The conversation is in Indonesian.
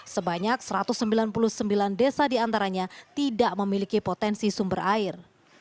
sebanyak satu ratus sembilan puluh sembilan desa diantaranya tidak memiliki potensi sumber air